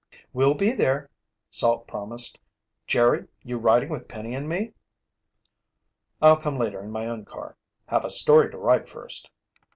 "We'll be there," Salt promised. "Jerry, you riding with Penny and me?" "I'll come later in my own car. Have a story to write first."